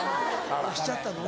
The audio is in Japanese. しちゃったの？